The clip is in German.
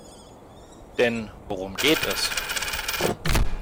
Denn worum geht es?